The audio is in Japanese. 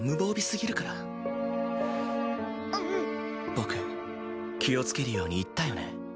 僕気をつけるように言ったよね。